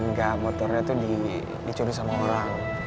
enggak motornya tuh dicuri sama orang